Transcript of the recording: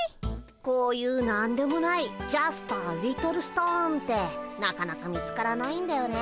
こういう何でもないジャストアリトルストーンってなかなか見つからないんだよね。